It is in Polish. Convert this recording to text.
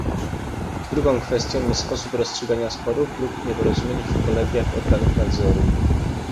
Drugą kwestią jest sposób rozstrzygania sporów lub nieporozumień w kolegiach organów nadzoru